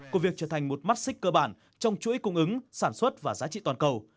của việc trở thành một mắt xích cơ bản trong chuỗi cung ứng sản xuất và giá trị toàn cầu